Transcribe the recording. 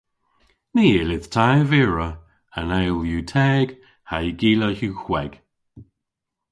Ny yllydh ta ervira. An eyl yw teg hag y gila yw hweg.